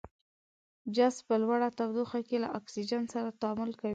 جست په لوړه تودوخه کې له اکسیجن سره تعامل کوي.